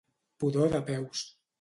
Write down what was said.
Pudor de peus.